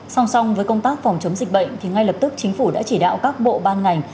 song song với công tác phòng chống dịch bệnh thì ngay lập tức chính phủ đã chỉ đạo các bộ ban ngành